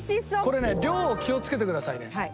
これね量を気を付けてくださいね。